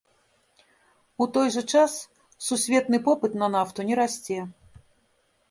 У той жа час, сусветнай попыт на нафту не расце.